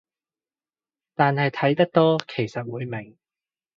但係睇得多其實會明